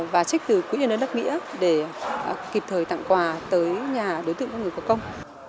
và trích từ quỹ nhân ơn đất nghĩa để kịp thời tặng quà tới nhà đối tượng người có công